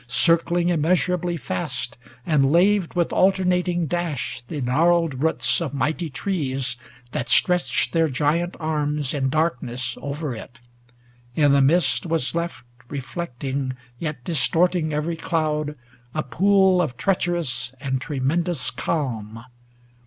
Circling immeasurably fast, and laved With alternating dash the gnarled roots Of mighty trees, that stretched their giant arms In darkness over it. I' the midst was left, Reflecting yet distorting every cloud, A pool of treacherous and tremendous calm.